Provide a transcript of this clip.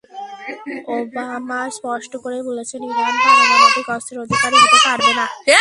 Obama স্পষ্ট করেই বলেছেন, ইরান পারমাণবিক অস্ত্রের অধিকারী হতে পারবে না।